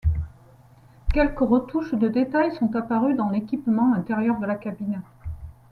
Quelques retouches de détail sont apparues dans l'équipement intérieur de la cabine.